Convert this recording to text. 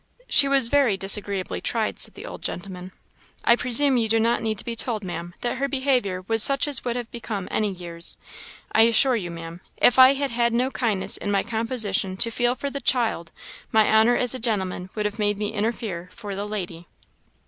"She was very disagreeably tried," said the old gentleman. "I presume you do not need to be told, Maam, that her behaviour was such as would have become any years. I assure you, Maam, if I had had no kindness in my composition to feel for the child, my honour as a gentleman would have made me interfere for the lady."